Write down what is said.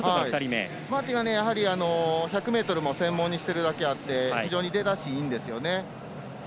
マーティンがやはり１００ｍも専門にしているだけあって非常に出だしがいいんです。